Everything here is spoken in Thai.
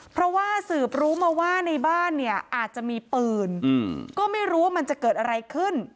เพราะว่าสืบรู้มาว่าในบ้านเนี่ยอาจจะมีปืนก็ไม่รู้ว่ามันจะเกิดอะไรขึ้น